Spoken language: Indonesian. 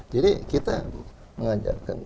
jadi kita mengajarkan